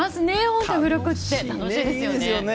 本当、付録って楽しいですよね。